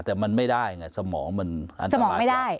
แต่มันไม่ได้ไงสมองมันอันตรายไม่ได้